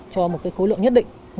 cho một khối lượng nhất định